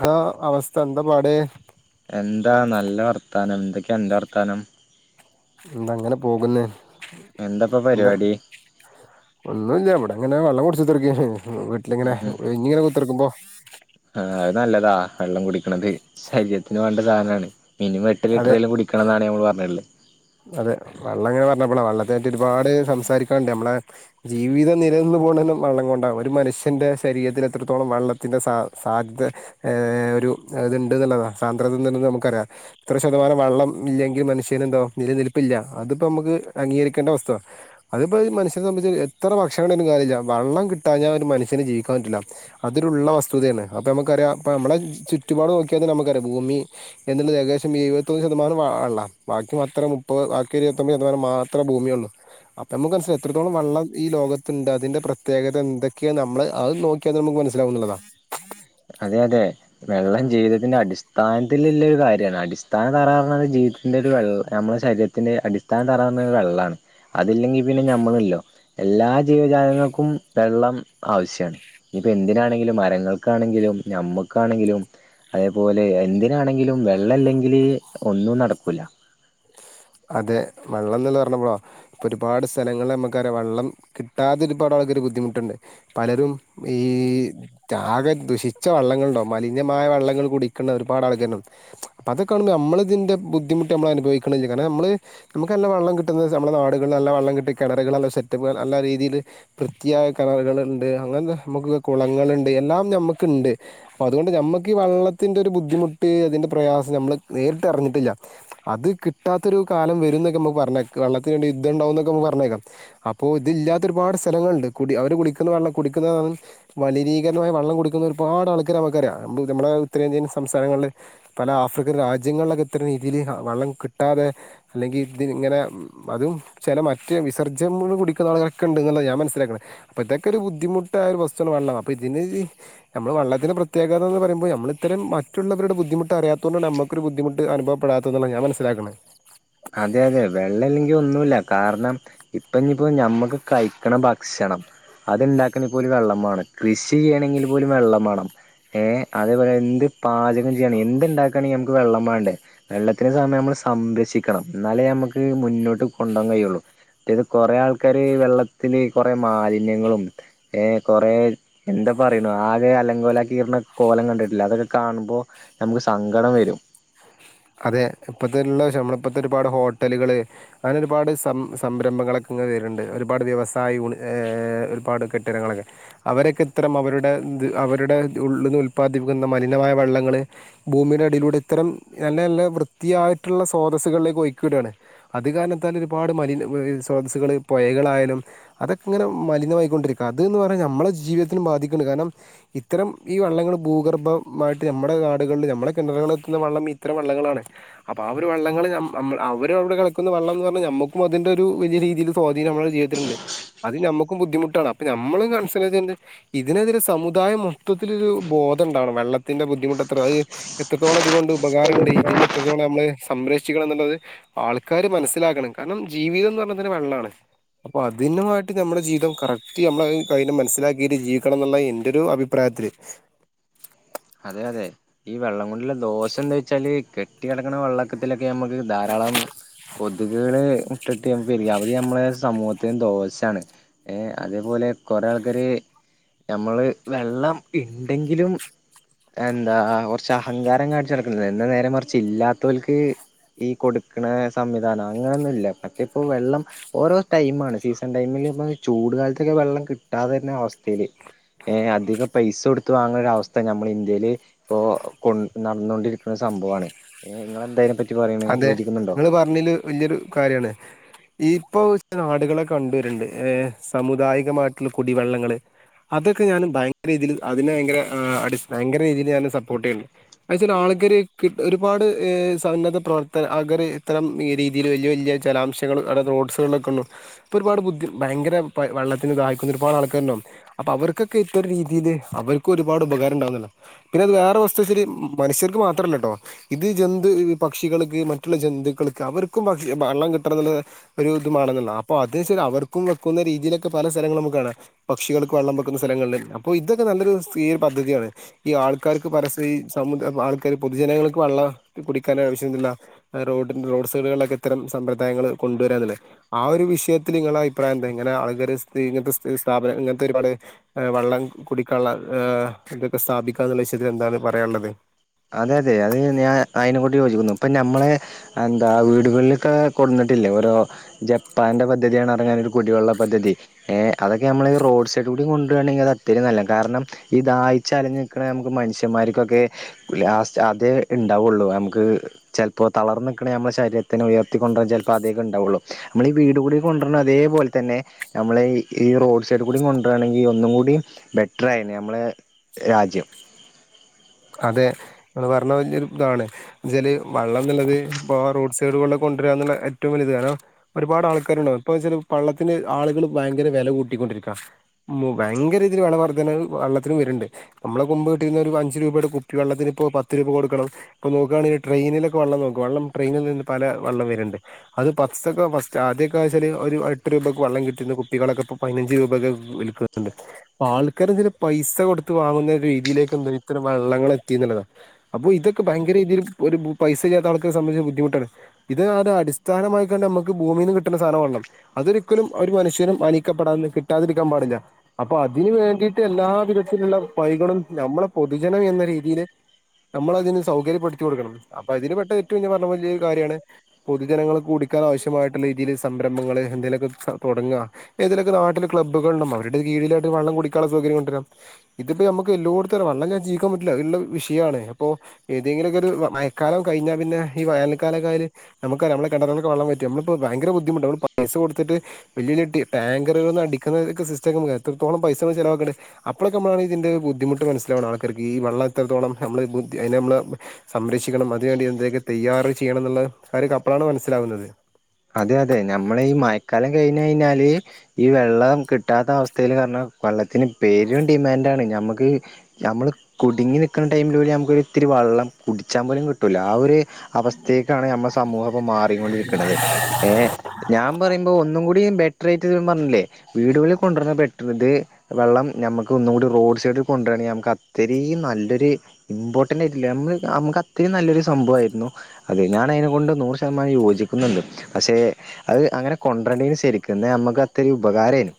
Hello അവസ്ഥ എന്താ പാട് എന്താ നല്ല വർത്താനം എന്തൊക്കെ അന്റെ വർത്താനം എന്താ അങ്ങനെ പോകുന്ന എന്താപ്പൊ പരിപാടി ഒന്നുല്ല ഇവിടെ അങ്ങനെ വെള്ളം കുടിച്ചുതുറക്കയാണി വീട്ടിലിങ്ങനെ ഇങ്ങനെ ഒഴിഞ്ഞു കുത്തിർക്കുമ്പോൾ ആ അത് നല്ലതാ വെള്ളം കുടിക്കണത് ശരീരത്തിന് നല്ല സാനമാണ് മിനിമം എട്ട്ലിറ്റർ അതെ കുടിക്കണം എന്നാണ്ഞമ്മൾ പറഞ്ഞട്ടുള്ള അതെ വെള്ളം ഇങ്ങ്നെ പറഞ്ഞ നമ്മുക്ക് വെള്ളത്തിനെ പറ്റി ഒരുപാട് സംസാരിക്കാൻ ഉണ്ട് നമ്മുടെ ജീവിതം നിലനിന്നു പോന്നത് വെള്ളം കൊണ്ട് ആണ് ഒരു മനുഷ്യന്റെ ശരീരത്തിൽ എത്രത്തോളം വെള്ളത്തിന്റെ സാധിത ഒരു ഇത് ഉണ്ടെന്ന് ഉള്ളതാ അതിൽ നിന്ന് നമുക്ക് അറിയാം ഇത്ര ക്ഷേത്തമാനം വെള്ളം ഇല്ലങ്കി മനുഷ്യൻ എന്തോ ആകും നിലനിൽപ്പില്ല അതിപ്പോൾ നമുക്ക് അംഗീകരിക്കേണ്ട വസ്തുവാണ് അതിപ്പോൾ മനുഷ്യന സംന്ധിച്ച് എത്ര ഭക്ഷണണംണ്ട ഒരു കാര്യമില്ല വള്ളംിട്ടാിഞ്ഞാൽ ഒരു മനുഷ്യന് ജീവിക്കാൻ പറ്റില്ല അതൊരുള്ള വസ്തുതയാണ് അപ്പോൾ നമുക്കറിയാം ഇപ്പോൾ നമ്മുടെ ചുറ്റുപാട് നോിയാൽ നമുക്കറിയാം ഭൂമി എന്നുള്ളത് ഏകദേശം എഴുപത്തൊന്ന് ശതമാനം വള്ളം ബാക്കി മൊത്ത.... എത്ര മുപ്പത് ആക്കി ഇരുപത്തൊമ്പത്തമാനം മാത്രേ ഭൂമിയള്ളൂ അപ്പൊ നമുക്ക് മനസ്സില എത്രോളം വെള്ളം ഈ ലോകത്തുണ്ട് അതിന്റെ പ്രത്യേകത എന്തൊക്കെയാ നമ്മള് അത് നോക്കിയാ നമുക്ക് മനസ്സിലാവുന്നതാ അതെ അതെ വെള്ളം ജീവിതത്തിൻ്റെ അടിസ്ഥാനത്തിലൽുള്ള ഒരു കാര്യമാണ് അടിസ്ഥാന തറ പറഞ്ഞത് ജീവിതത്തിൻ്റെ ഒരു വെള്ളം നമ്മുടെ ശരീരത്തിൻ്റെ അടിസ്ഥാനം തറ പറഞ്ഞ ഒരു വെള്ളമാണ് അതില്ലെങ്കിൽ പിന്നെ നമ്മളല്ലോ എല്ലാ ജീവജാലങ്ങൾക്കും വെള്ളം ആവശ്യമാണ് ഇനിപ്പോൾ എന്തിനാണെങ്കിലും മരങ്ങൾക്കാണെങ്കിലും നമ്മക്കാണെങ്കിലും അതേപോലെ എന്തിനാണെങ്കിലും വെള്ളല്ലെങ്കില് ഒന്നും നടക്കൂല അതെ വെള്ളം എല്ല പറഞ്ഞപ്പോളോ ഇപ്പൊ ഒരുപാട് സ്ഥലങ്ങളിൽ നമുക്ക വെള്ളം കിട്ടാതെ ഒരുപാട് ആൾക്കാർ ബുദ്ധിമുട്ടുണ്ട് പലരും ഈ ആകെ ദുഷിച്ച വള്ളങ്ങളുണ്ടോ മലിനമായ വള്ളങ്ങൾ കൂട ഇിക്കണ ഒരുപാട് ആൾക്കാോ അപ്പൊ അതക്ക കാണുമ്പോൾ നമ്മൾിതിന്റെ ബുദ്ധിമുട്ട് നമ്മൾ അനുഭവിക്കണ അങ്ങനെ നമ്മള് നമുക്ക് നല്ല വെള്ളം കിട്ടുന്നത് നമ്മളെ നാടുകളിൽ നല്ല വെള്ളം കിട്ടിയ കിണറുകൾ നല്ല സെറ്റപ്പ് നല്ല രീതിയിൽ വൃത്തിയായ കിണറുകൾ ഉണ്ട് അങ്ങനത്തെ നമുക്ക് കുളങ്ങളുണ്ട് എല്ലാം നമ്മക്കുണ്ട് അപ്പ അതുകൊണ്ട് നമ്മുക്ക് ഈ വെള്ളത്തിന്റെ ഒരു ബുദ്ധിമുട്ട് അതിറെ പ്രയാസം നമ്മൾ നേരിട്ട് അറിഞ്ഞിട്ടില്ല അത് കി കിട്ടാത്തൊരു കാലം വരും എന്നൊക്കെ നമുക്ക് പറഞ്ഞേക്കാം വെള്ളത്തിന് വേണ്ട യുദ്ധം ഉണ്ടാകുന്നൊക്കെ നമുക്ക് പറഞ്ഞേക്കാം അപ്പോൾ ഇതില്ലാത്ത ഒരുപാട് സ്ഥലങ്ങളുണ്ട് കുടി അവര് കുടിക്കുന്ന വെള്ളം കുടിക്കുന്നാണ് മലിനീകരണമായ വെള്ളം കുടിക്കുന്ന ഒരുപാട് ആൾക്കാർ നമുക്കറിയാം നമ്മുടെ ഉത്തരേന്ത്യൻ സംസ്ഥാനങ്ങളിൽ പല ആഫ്രിക്കൻ രാജ്യങ്ങളിലൊക്കെ ഇത്തരം രീതിയിൽ വെള്ളം കിട്ടും കിട്ടാതെ അല്ലെങ്കിൽ ഇതി ഇങ്ങനെ അതും ചില മറ്റ് വിസജ്ജം കുടിക്കുന്ന ആളുകളൊക്കെ ഉണ്ടെന്നുള്ള ഞാൻ മനസ്സിലാക്കുന്നത് അപ്പോൾ ഇതൊക്കെ ഒരു ബുദ്ധിമുട്ടായ ഒരു വസ്തുവ വെള്ളം അപ്പോൾ ഇതിന് നമ്മൾ വെള്ളത്തിന് പ്രത്യേക യെന്ന് പറയുമ്പോൾ നമ്മൾ ഇത്തരം മറ്റുള്ളവരുടെ ബുദ്ധിമുട്ട് അറിയാത്തുകൊണ്ട് നമുക്കൊരു ബുദ്ധിമുട്ട് അനുഭവപ്പെടത്തെ എന്നാണ് ഞാൻ മനസിലാക്കുന്നത് മനസിലാകണേ അതെ അതെ വെള്ളം ഇല്ലെങ്കിൽ ഒന്നുമില്ല കാരണം ഇപ്പ ഇയിപ്പോ നമ്മുക്ക് കഴിക്കണ ഭക്ഷണം അതുണ്ടാക്കണിൽ പോലും വെള്ളം വേണം കൃഷി ചെയ്യണമെങ്കിൽ പോലും വെള്ളം വേണം ഏ അതേപോലെ എന്ത് പാചകം ചെയ്യണെ എന്ത് ഉണ്ടാക്കണമെങ്കിൽ നമുക്ക് വെള്ളം വേണ്ടേ വെള്ളത്തിന് സമയം നമ്മൾ സംരക്ഷിക്ക ക്കണം എന്നാലേ നമ്മുക്ക് മുന്നോട്ട് കൊണ്ടുപോകാൻ കഴിയുള്ളു മറ്റേത് കുറെ ആൾക്കാാര് വെള്ളത്തില് കുറെ മാലിന്യങ്ങളും ഏ കുറെ എന്താ പറയണ ആകെ അലങ്കോലമാക്കി കോലം കണ്ടിട്ടില്ല അതൊക്കെ കാണുമ്പോൾ നമുക്ക് സങ്കടം വരും അതെ ഇപ്പോഴത്തുള്ള വം നമ്മള ഇപ്പോഴത്തെ ഒരുപാട് ഹോട്ടലുകള് അങ്ങനെ ഒരുപാട് സം സംരംഭങ്ങളൊക്കെ ഇങ്ങനെ വരുന്നുണ്ട് ഒരുപാട് വ്യവസായ യു ഒരുപാട് കെട്ടിടങ്ങളൊക്കെ അവരൊക്കെ ഇത്തരം അവരുടെ അവരുടെ ഉള്ളിൽ നിന്ന് ഉല്പാദിപ്പിക്കുന്ന മലിനമായ വെള്ളങ്ങൾ ഭൂമിയുടെ അടിയിലൂടെ ഇത്തരം നല്ല നല്ല വൃത്തിയായിട്ടുള്ള സ്രോതസ്സുകളിലേക്ക് ഒഴിക്കി വിടുകയാണ് അത് കാരണത്താൽ ഒരുപാട് മലിന സ്രോതസ്സുകൾ പുഴകളായാലും അതൊക്കെ ഇങ്ങനെ മലിനമായിക്കൊണ്ടിരിക്കും അതന്ന് പറഞ്ഞാൽ നമ്മളുടെ ജീവിതത്തിനും ബാധിക്കണ്ട് കാരണം ഇത്തരം ഈ വെള്ളങ്ങൾ ഭൂഗർഭമായിട്ട് നമ്മുടെ നാടുകളിൽ നമ്മുടെ കിണറങ്ങളിൽ എത്തുന്ന വെള്ളം ഇത്ര വെള്ളങ്ങളാണ് അപ്പൊ ആ ഒരു വെള്ളങ്ങൾ അവര അവിടെ കിടക്കുന്ന വെള്ളം എന്ന് പറഞ്ഞാൽ നമ്മുക്കും അതിന്റെ ഒരു വലിയ രീതിയിൽ സ്വാധീനം നമ്മുടെ ജീവിതത്തിലുണ്ട് അത് നമ്മുക്കും ബുദ്ധിമുട്ടാണ് അപ്പൊ നമ്മൾ മനസിലണ്ട് ഇതിനെതിരെ സമുദായ മൊത്തത്തിൽ ഒരുബോധം ഉണ്ടാവണം വെള്ളത്തിന്റെ ബുദ്ധിമുട്ട് എത്രത്തോളം അത് കൊണ്ട് ഉപകാരമുണ്ട് ഇതിനെ എത്രത്തോളം നമ്മൾ സംരക്ഷിക്കണം എന്നുള്ളത് ആൾക്കാര് മനസ്സിലാക്കണം കാരണം ജീവിതം എന്ന് പറഞ്ഞെ വെള്ളമാണ് അപ്പൊ അതിനുമായിട്ട് നമ്മുടെ ജീവിതം കറക്റ്റ് നമ്മളെ മനസ്സിലാക്കിട്ട് ജീവിക്കണം എന്നുള്ള എന്റെ. ഒരു അഭിപ്രായത്തില് അതെ അതെ ഈ വെള്ളം കൊണ്ടുള്ള ദോഷം എന്താ വെച്ചാല് കെട്ടി കിടക്കണ വെള്ളക്കത്തിലൊക്കെ നമ്മുക്ക് ധാരാളം കൊതുകള് മുട്ടയിട്ട് പെരുകി അവര് നമ്മുടെ സമൂഹതിന്നു ദോഷയാണ് ഏ അതേപോലെ കുറെ ആൾക്കാര് നമ്മള് വെള്ളം ഇണ്ടെങ്കിലും എന്താ കുറച്ച് അഹങ്കാരം കാണിച്ച നടക്കുന്നത് എന്ന നേരം മറച്ച് ഇല്ലാത്തവൾക്ക് ഈ കൊടുക്കണ സംവിധാനം അങ്ങനൊന്നുംല്ല മറ്റേ ഇപ്പോ വെള്ളം ഓരോ ടൈമാണ് സീസൺ ടൈമിൽ ഇപ്പൊ ചൂട് കാലത്തൊക്കെ വെള്ളം കിട്ടാതെ തരുന്ന അവസ്ഥയിൽ ഏ അധികം പൈസ കൊടുത്ത് വാങ്ങുന്ന ഒരു അവസ്ഥ നമ്മൾ ഇവര്ഇപ്പോ കൊണ്ട് നടന്നുകൊണ്ടിരിക്കുന്ന സംഭവമാണ് നിങ്ങൾ എന്താ ഇതിനെ പറ്റി പറയണേ അതെ യോജിക്കുന്നുണ്ടോ നിങ്ങള് പറഞ്ഞല് വലിയൊരു കാര്യാണ് ഇ ഇപ്പോൾ വച്ച നാടുകളെക്കെ കണ്ടുവരുന്നുണ്ട് സമുദായികമായിട്ടുള്ള കുടിവെള്ളങ്ങൾ അതൊക്കെ ഞാൻ ഭയങ്കര രീതിയിൽ അതിന് ഭയങ്കര ഭയങ്കര രീതിയിൽ ഞാൻ സപ്പോർട്ട് ചെയ്യുന്നുണ്ട് എന്ന് വെച്ചാൽ ആൾ കാര് ഒരുപാട് സ പ്രവർത്തന ആർ ഇത്തരം രീതിയില് വലിയ വലിയ ജലാംശങ്ങൾ അവിടെ റോഡ്സൈഡുകളിലൊക്കെ ഉള്ള ഇപ്പൊ ഒരുപാട് ബുദ്ധി ഭയങ്കര വെള്ളത്തിന് ദാഹിക്കുന്ന ഒരുപാട് ആൾക്കാരുണ്ടാവും അപ്പോൾ അവർക്കൊക്കെ ഇത്തരം രീതിയിൽ അവർക്കും ഒരുപാട് ഉപകാരം ഉണ്ടാകുന്നില്ല പിന്നെ അത് വേറെ വസ്തു വെച്ചരി മനുഷ്യർക്ക് മാത്രമല്ല കേട്ടോ ഇത് ജന്തു പക്ഷികൾക്ക് മറ്റുള്ള ജന്തുക്കൾക്ക് അവർക്കും പക്ഷേ വെള്ളം കിട്ടണം എന്നുള്ള ഒരു ഇതുമാണെന്നുള്ള അപ്പോ അതി ശരി അവർക്കും വെക്കുന്ന രീതിയിലൊക്കെ പല സ്ഥലങ്ങളും നമുക്ക് കാണാം പക്ഷികൾക്ക് വെള്ളം വെക്കുന്ന സ്ഥലങ്ങളിൽ അപ്പോ ഇതൊക്കെ നല്ലൊരു സ്ത്രീരു [unintelligible] പദ്ധതിയാണ് ഈ ആൾക്കാർക്ക് പരസ്യം ആൾക്കാർ പൊതുജനങ്ങൾക്ക് വെള്ളം കുടിക്ക ആൾക്കാരെ ആവശ്യമുണ്ടല്ലാ റോഡി റോഡ് സൈഡുകളിലൊക്കെ ഇത്തരം സമ്പ്രദായങ്ങൾ കൊണ്ടുവരന്നില്ലേ ആ ഒരു വിഷയത്തിൽ നിങ്ങളെ അഭിപ്രായം എന്താ ഇങ്ങനെ ആൾ ഇങ്ങനത്തെ സ്ഥാപനം ഇങ്ങനത്തെ ഒരുപാട് വെള്ളം കുടിക്കള്ള ഇതൊക്കെ സ്ഥാപിക്കുക എന്നുള്ള വിഷയത്തിൽ എന്താണ് പറയാനുള്ളത് അതെ അതെ അത് ഞാൻ അയിനോ യോജിക്കുന്നു ഇപ്പൊ നമ്മള എന്താ വീടുകളിലൊക്കെ കൊണ്ടു വന്നിട്ടില്ലേ ഓരോ ജപ്പാന്റെ പദ്ധതിഎന്ന കുടിവെള്ള പദ്ധതി ഏ അതൊക്കെ നമ്മള്ഈ റോഡ് സൈഡിൽ കൂടി കൊണ്ടുവരുയാണെങ്കിൽ അത് അത്രയും നല്ല ഈ ദാഹിച്ച് അലയുന്ന നമുക്ക് മനുഷ്യമാർക്കൊക്കെ അതേ ഉണ്ടാവുള്ളു നമുക്ക് ചിലപ്പോൾ തളർന്ന് നിക്കണയാകുമ്പോ ശരീരത്തിനെ ഉയർത്തിക്കൊണ്ട് കൊണ്ട് വരാൻ ചിലപ്പോൾ അതൊക്കെ ഉണ്ടാവുള്ളു നമ്മള ഈ വീട് കൂടി കൊണ്ടുവരണ അതേപോലെ തന്നെ നമ്മളെ ഈ റോഡ് സൈഡ് കൂടി കൊണ്ടുവരണെങ്കിൽ ഒന്നും കൂടി ബെറ്ററായിരുന്നു നമ്മളുടെ രാജ്യം അതെ നിങ്ങൾ പറഞ്ഞ വല്യ ഇതാണ് വെച്ചാൽ വെള്ളം എന്നുള്ളത് ഇപ്പം റോഡ് സൈഡുകളിൽ കൊണ്ടുവരാന്നുള്ള ഏറ്റവും വലിയത് കാരണം ഒരുപാട് ആൾക്കാരുണ്ടാവും ഇപ്പൊ ചില വെള്ളത്തിന് ആളുകൾ ഭയങ്കര വില കൂട്ടിക്കൊണ്ടിരിക്കാം ഭയങ്കര രീതിയിൽ വില വർധന വെള്ളത്തിന് വരുണ്ട് നമ്മളെ മുൻപ് കിട്ടിരുന്ന ഒരു അഞ്ച് രൂപയുടെ കുപ്പി വെള്ളത്തിന് ഇപ്പോ പത്ത് രൂപ കൊടുക്കണം ഇപ്പം നോക്കുകയാണെങ്കിൽ ട്രെയിനിലൊക്കെ വെള്ളം നോക്കും വെള്ളം ട്രെയിനിൽ നിന്ന് പല വെള്ളം വരുന്നുണ്ട് അത് ഫസ്റ്റ് ആദ്യക്കെ വെച്ചാൽ ഒരു എട്ട് രൂപക്ക് വെള്ളം കിട്ടുന്ന കുപ്പികളൊക്കെ ഇപ്പോ പതിനഞ്ച് രൂപക്കെ വിൽക്കുന്നുണ്ട് ആൾക്കാരും ചില പൈസ കൊടുത്ത് വാങ്ങുന്ന ഒരു രീതിയിലേക്ക് ഇത്തരം വെള്ളങ്ങൾ എത്തി ന്നുള്ളതാണ് അപ്പോ ഇതൊക്കെ ഭയങ്കര രീതിയിൽ ഒരു പൈസ ച ഇല്ലാത്ത ആൾക്കാരെ സംബന്ധിച്ച ബുദ്ധിമുട്ടാണ് ഇത് അടിസ്ഥാനമായി നമുക്ക് ഭൂമിൽ നിന്ന് കിട്ടുന്ന സാധനം വെള്ളം അതൊരിക്കലും ഒരു മനുഷ്യനും അനിക്കപ്പെടാ കിട്ടാതിരിക്കാൻ പാടില്ല അപ്പൊ അതിന് വേണ്ടിയിട്ട് എല്ലാ വിധത്തിലുള്ള വഴികളും നമ്മെ പൊതു നം എന്ന രീതിയിയില് നമ്മ ഇതിന് സൗകര്യപ്പെടുത്തി കൊടുക്കണം അപ്പൊ അതിന് പെട്ട ഏറ്റവും പറഞ്ഞ വലൊരു കാര്യമാണ് പൊതുജനങ്ങൾക്ക് കുടിക്കാൻ ആവശ്യമായിട്ടുള്ള രീതിയില് സംരംഭങ്ങൾ എന്തെലുമൊക്കെ തുടങ്ങുക ഏതെലൊക്കെ നാട്ടിൽ ക്ലബ്ബുകളുണ്ടന്നോ അവരുടെ കീഴിലായിട്ട് വെള്ളം കുടിക്കാനുള്ള സൗകര്യം കൊണ്ടുവരാ ഇതിപ്പോ നമുക്ക് എല്ലോടത്ത വെള്ളം പറ്റില്ല അതുള്ള വിഷയമാണ് അപ്പോൾ ഏതെങ്കിലൊക്കെ ഒരു മയക്കാലം കഴിഞ്ഞാൽ പിന്നെ ഈ വേനൽക്കാലമായാൽ നമുക്ക നമ്മളുടെ കിണറുകളിലൊക്കെയും വെള്ളം പറ്റും നമ്മളിപ്പോൾ ഭയങ്കര ബുദ്ധമുട്ടാ ന മ്മൾ പൈസ കൊടുത്തിട്ട് വലിയ വല ടാങ്കറുകള അടിക്കുന്നൊക്ക സിസ്റ്റം എത്രത്തോളം പൈസ ചിലവാക്കണ്ട അപ്പോഴൊക്കെ നമ്മ ഇതിന്റെ ബുദ്ധിമുട്ട് മനസിലാവണേ ർക്ക് ഈ വെള്ളം എത്രത്തോളം നമ്മളെ ബദ്ധി അതിനെ നമ്മള് സംരക്ഷിക്കണം അതിന വേണ്ടി എന്തൊക്കെ തയ്യാറ് ചെയ്യണം എന്നുള്ള കാര്യം അപ്പഴാണ് മനസ്സിലാകുന്നത് അതെ അതെ നമ്മള ഈ മയക്കാലം കഴിഞ്ഞ് കഴിഞ്ഞാല് ഈ വെള്ളം കിട്ടാത്ത അവസ്ഥയിൽ കാരണം വെള്ളത്തിന് പേരും ഡിമാൻഡാണ് നമ്മുക്ക് നമ്മള് കുടുങ്ങി നിക്കുന്ന ടൈമിൽ നമുക്ക് ഇത്തിരി വെള്ളം കുടിച്ചാൻ പോലും കിട്ടൂല ആ ഒരു അവസ്ഥയേക്കാണ് നമ്മൾ സമൂഹം ഇപ്പോൾ മാറിക്കൊണ്ടിരിക്കണത് ഏ ഞാൻ പറയുമ്പോൾ ഒന്നും കൂടി ബെറ്റർആയിട്ട് പറഞ്ഞില്ലേ വീടുകളിൽ കൊണ്ടുവരണ ബെറ്റർ ഇത് വെള്ളം നമുക്ക് ഒന്നും കൂടി റോഡ് സൈഡിൽ കൊണ്ടുവരണെങ്കിൽ നമുക്ക് അത്രയും നല്ലൊരു ഇമ്പോർട്ടൻറ് ആയിട്ടില്ല നമ്മ നമുക്ക് അത്രയും നല്ലൊരു സംഭവമായിരുന്നു അത് ഞാൻ അതിനെ കൊണ്ട് നൂറ് ശതമാനം യോജിക്കുന്നുണ്ട് പക്ഷെ അത് അങ്ങനെ കൊണ്ട് വരണ്ടിനി ശരിക്കും നമുക്ക് അത്രയും ഉപകാരമായിരുന്നു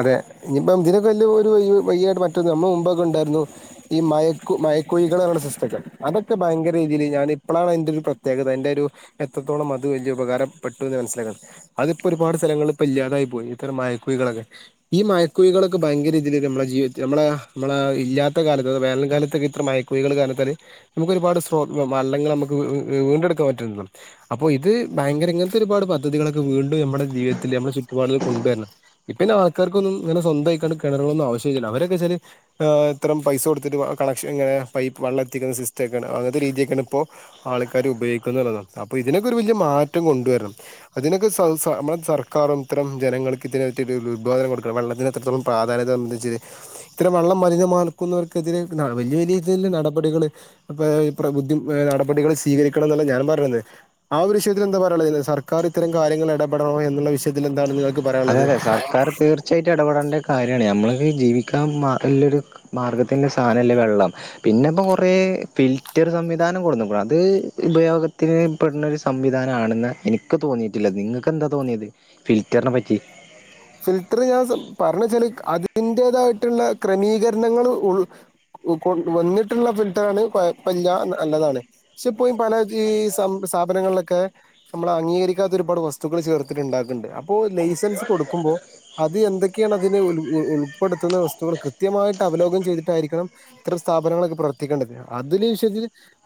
അതെ ഇനിപ്പം ഇതിനൊക്കെ വലിയ ഒരു വയ്യായി്റ്റ നമ്മൾ മുമ്പൊക്കെ ഉണ്ടായിരുന്നു ഈ മ മയക്കുഴികള എന്നുള്ള സിസ്റ്റം അതൊക്കെ ഭയങ്കരരീതിയിൽ ഞാന ഇപ്പോഴാണ് അതിന്റെ ഒരു പ്രത്യേകത അന്റെ ഒരു എത്രത്തോളം അത് വലിയ ഉപകാരപ്പെട്ടു എന്ന് മനസിലാക്കുന്നത് അതിപ്പോ ഒരുപാട് സ്ഥലങ്ങള ഇപ്പ ഇല്ലാതായി പോയി ഇത്തരം മയക്കുഴികളൊക്കെ ഈ മയക്കുയികളൊക്കെ ഭയങ്കര ഇതിൽ നമ്മളുടെ ജീവി നമ്മളെ നമ്മള ഇല്ലാത്ത കാലത്ത് വേനൽ കാലത്തൊക്കെ ഇത്ര മയക്കുഴികൾ കാരണത്താൽ നമുക്ക് ഒരുപാട് സ്രോ വെവള്ളങ്ങൾ നമുക്ക് വീണ്ടെടുക്കാൻ പറ്റള്ളു അപ്പൊ ഇത് ഭയങ്കര ഇങ്ങനത്തെ ഒരുപാട് പദ്ധതികളൊക്കെ വീണ്ടും നമ്മളെ ജീവിതത്തിലെ നമ്മുടെ ചുറ്റുപാടിൽ കൊണ്ടുവരണം ഇപ്പന്നെ ആൾക്കാർക്കൊന്നും ഇങ്ങനെ സ്വന്തമായിക്കാണ്ട് കിണറുകളൊന്നും ആവശ്യമില്ലല്ലോ, അവരൊക്കെ വെച്ചാല് ആ ഇത്രം പൈസ കൊടുത്തിട്ട് വ കണക്ഷൻ ങ പൈപ്പ് വള്ളം എത്തിക്കുന്ന സിസ്റ്റം ഒക്കെയാണ്, അങ്ങനത്തെ രീതിയൊക്കെയാണ് ഇപ്പോ ആൾക്കാര് ഉപയോഗിക്കുന്നള്ള അപ്പൊ ഇതിനൊക്കെ ഒരു വലിയ മാറ്റം കൊണ്ടുവരണം, അതിനൊക്കെ സ സ നമ്മടെ സർക്കാറും ഇത്തരം ജനങ്ങൾക്ക് ഇതിന [unintelligible] ഉദ്‌ഗാദനം കൊടുക്കണം, വള്ളത്തിന് എത്രത്തോളം പാധാന്യത്തെ സമ്മദ്ധിച്ച്ഇത്തരം വള്ളം മലിനമാക്കുന്നവർക്കെതിരെ ന വലിയ വലിയ രീതിൽ നടപടികള് പ പ്ര ബുദ്ധി ആ നടപടികള് സ്വീകരിക്കണം എന്നാണ് ഞാനും പറയുന്ന ആ ഒരു വിഷയത്തിൽ എന്താ പറയാനുള്ളത് സർക്കാർ ഇത്തരം കാര്യങ്ങൾ ഇടപെടണോ എന്നുള്ള വിഷയത്തിൽ എന്താണ് നിങ്ങൾ അതെ ക്ക്പറയാനുള്ളത്. അതെ സർക്കാർ തീർച്ചയായിട്ടും ഇടപെടേണ്ട കാര്യമാണ്, ഞമ്മള് [unintelligible] ജീവിക്കാൻ മ നല്ലൊരു മാർഗ്ഗത്തിൻ്റെ സാധനമല്ലേ വെള്ളം, പിന്നെ ഇപ്പോ കുറേ ഫിൽറ്റർ സംവിധാനം കൊണ്ടുവന്നു, അത് ഉപയോഗത്തിന് പെടുന്ന ഒരു സംവിധാനം ആണെന്ന് എനിക്ക് തോന്നിയിട്ടില്ല, നിങ്ങൾക്ക് എന്താ തോന്നിയത് ഫിൽറ്ററിനെ പറ്റി [unintelligible] ഫിൽട്ടർ ഞാൻ പറഞ്ഞച്ചാല് അതിന്റേതായിട്ടുള്ള ക്രമീകരണങ്ങൾ ഉൾ കൊ വന്നിട്ടുള്ള ഫിൽട്ടറാണ് കൊയ വല്യ നല്ലതാണ്, പക്ഷെ ഇപ്പോ പല ഈ സം സ്ഥാപനങ്ങളിലൊക്കെ നമ്മൾ അംഗീകരിക്കാത്ത ഒരുപാട് വസ്തുക്കൾ ചേർത്തിട്ടുണ്ടാക്കുന്നുണ്ട് അപ്പോ ലൈസൻസ് കൊടു ക്കുമ്പോൾ അത് എന്തൊക്കെയാണ് അതിന് ഉൾപ്പെടുത്തുന്ന വസ്തുക്കൾ കൃത്യമായിട്ട് അവലോകം ചെയ്തിട്ടായിരിക്കണം ഇത്തരം സ്ഥാപനങ്ങളൊക്കെ പ്രവർത്തിക്കേണ്ടത് അതിൻ്റെ വിഷയത്തിൽ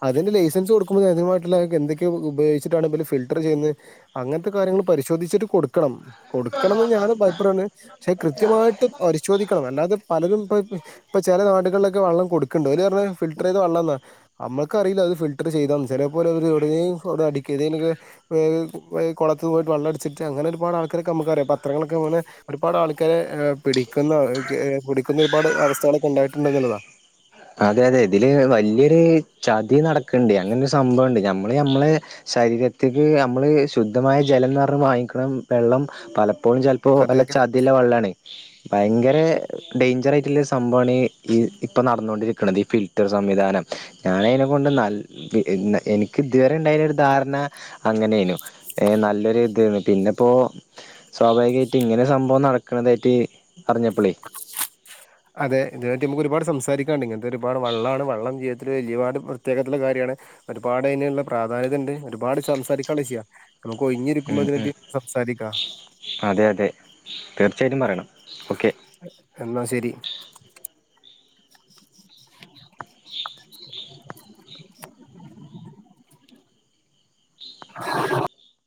അതിന് ലൈസൻസ് കൊടുക്കുമ്പോ അതിനുമായിട്ടുള്ള എന്തൊക്കെയ ഉപയോഗിച്ചിട്ടാണ ഫിൽറ്റർ ചെയ്യുന്നത്, അങ്ങനത്തെ കാര്യങ്ങൾ പരിശോധിച്ചിട്ട് കൊടുക്കണം കൊട് കൊടുക്കണമെന്ന് ഞാനും പൈപ്പ പറണ്, പക്ഷെ കൃത്യമായിട്ട് പരിശോധിക്കണം അല്ലാതെ പലരും ഇപ്പ ഇപ്പ ചില നാടുകളിലൊക്കെ വെള്ളം കൊടുക്കണണ്ട് അവരു പറഞ്ഞെ ഫിൽറ്റർ ചെയ്ത വെള്ളം എന്നാ നമ്മുക്ക റിയില്ല അത് ഫിൽട്ടർ ചെയ്താ ചിലപ്പോൾ അവർ അവിടെ കുളത്തിൽ പോയിട്ട് വെള്ളം അടിച്ചിട്ട് അങ്ങനെ ഒരുപാട് ആൾക്കാരൊക്കെ നമുക്കറിയാം. പത്രങ്ങളൊക്കെ ഇങ്ങനെ ആപാട് ഒരുപാട് ആൾക്കാരെ പിടിക്കുന്ന ക പിടിക്കുന്ന ഒരുപാട് അവസ്ഥകളൊക്കെ ഉണ്ടായിട്ടുണ്ട് എന്നുള്ളതാ അതെ അതെ ഇതില് വല്ല്യയൊരു ചതി നടക്ക്ണ്ട്, അങ്ങനെരു സംഭവണ്ട് നമ്മള് നമ്മളെ ശരീരത്തിേക്ക് നമ്മള് ശുദ്ധമായ ജലംന്നറഞ്ഞ് വാങ്ങിക്കണ വെള്ളം പല അപ്പോഴും ചെലപ്പോ അതെ വല്ല ചതില്ല വെള്ളാണ്. ഭയങ്കര ഡേയ്ഞ്ചറായിട്ടുള്ളരു സംഭവാണ് ഈ ഇ ഇപ്പം നടന്നുകൊണ്ടിരിക്കു [unintelligible] ഈ ഫിൽറ്റർ സംവിധാനം ഞാനയ്നെ കൊണ്ട് നല്ല എ എനിക്ക് ഇതുവരെ ഉണ്ടായിർന്ന ഒരു ധാരണ അങ്ങനെയ്നു ഏ നല്ലൊരു ഇത് പിന്നെ ഇപ്പോ സ്വാഭാവികായിട്ട് ഇങ്ങനെ സംഭവം നടക്ക്ണതായിട്ട് അതെ ഇത് നമുക്ക് ഒരുപാട് സംസാരിക്കാണ്ട് ഇങ്ങനത്തെ ഒരുപാട് വള്ളാണ് വള്ളം ജീവിതത്തിൽ ഒരുപാട് പ്രത്യേകതള്ള കാര്യാണ്, ഒരുപാട് അയ്നുള്ള പ്രാധാന്യതണ്ട് ഒരുപാട് സംസാരിക്കാള്ള വിഷയാ നമുക്ക് ഒഴിഞ്ഞിരിക്കുമ്പോ ഉം ഇതിനെ ഉം പറ്റി സംസാരിക്കാ അതെ [inaudible] തീർച്ചയായിട്ടും പറയണം ഓക്കെ എന്നാ ശരി [inaudible]